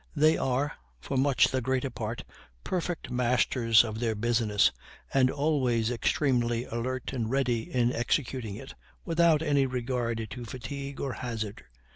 They are, for much the greater part, perfect masters of their business, and always extremely alert, and ready in executing it, without any regard to fatigue or hazard.